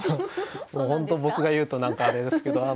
本当僕が言うと何かあれですけど。